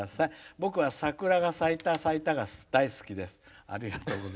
僕は桜が咲いた咲いたが大好きです。